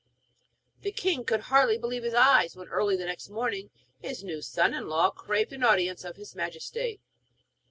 The king could hardly believe his eyes when, early the next morning, his new son in law craved an audience of his Majesty.